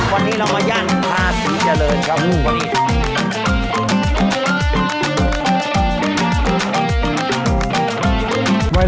วันนี้เรามาย่านภาษีเจริญครับ